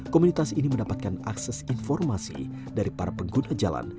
komunitas ini mendapatkan akses informasi dari para pengguna jalan